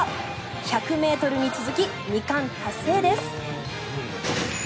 １００ｍに続き２冠達成です。